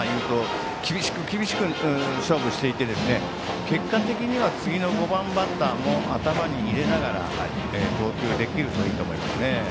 厳しく勝負していければ結果的には次の５番バッターも頭に入れながら投球できるといいと思いますね。